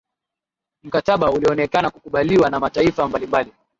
mkataba ulionekana kukubaliwa na mataifa mbalimbali